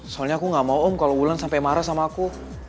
soalnya aku gak mau om kalau wulan sampai marah sama aku